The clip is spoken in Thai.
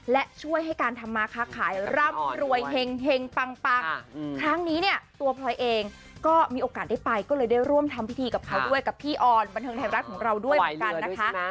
และช่วยให้การทำมาค้าขายร่ำรวยเฮ็งปังครั้งนี้เนี่ยตัวพลอยเองก็มีโอกาสได้ไปก็เลยได้ร่วมทำพิธีกับเขาด้วยกับพี่ออนบันเทิงไทยรัฐของเราด้วยเหมือนกันนะคะ